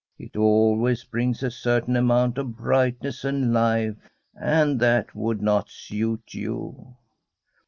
It always brings a certain amount of brightness and life, and that would not suit you.'